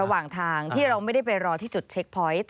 ระหว่างทางที่เราไม่ได้ไปรอที่จุดเช็คพอยต์